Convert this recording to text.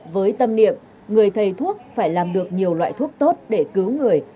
với tâm niệm người thầy thuốc phải làm được nhiều loại thuốc tốt để cứu người